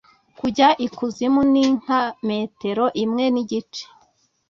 kujya i kuzimu ni nka metero imwe n’igice.